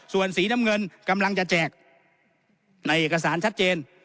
ส่วนสีน้ำเงินกำลังจะแจกในเอกสารชัดเจน